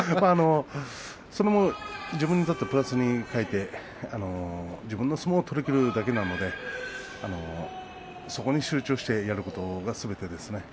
自分にとってはプラスに変えて自分の相撲を取りきるだけなのでそこに集中してやることがすべてですね。